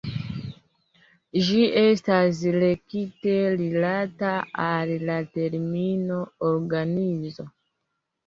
Ĝi estas rekte rilata al la termino "organizo".